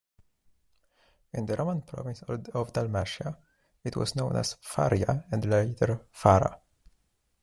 In the Roman province of Dalmatia, it was known as Pharia and later Fara.